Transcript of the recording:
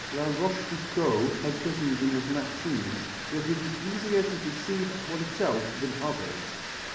La Rochefoucauld has written in his Maximes that it is easier to deceive oneself than others.